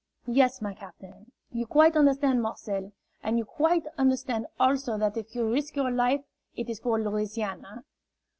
"Yes, my captain." "You quite understand, Marcel? And you quite understand also that if you risk your life, it is for Louisiana?"